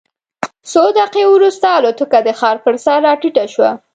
څو دقیقې وروسته الوتکه د ښار پر سر راټیټه شوه.